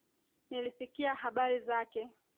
Nilisikia habari zake